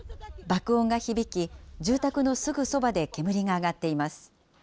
爆音が響き、住宅のすぐそばで煙が上がっています。